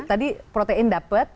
tadi protein dapat